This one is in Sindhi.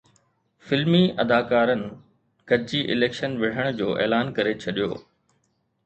فلمي اداڪارن گڏجي اليڪشن وڙهڻ جو اعلان ڪري ڇڏيو